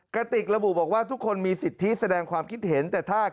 กระติกระบุบอกว่าทุกคนมีสิทธิแสดงความคิดเห็นแต่ถ้า